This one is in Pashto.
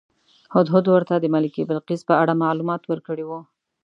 هدهد ورته د ملکې بلقیس په اړه معلومات ورکړي وو.